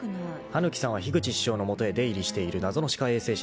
［羽貫さんは樋口師匠の下へ出入りしている謎の歯科衛生士である］